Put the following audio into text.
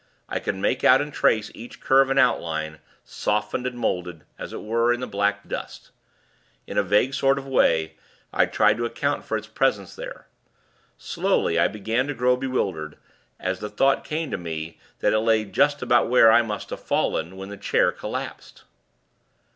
I could make out and trace each curve and outline, softened, and moulded, as it were, in the black dust. In a vague sort of way, I tried to account for its presence there. Slowly, I began to grow bewildered, as the thought came to me that it lay just about where I must have fallen when the chair collapsed.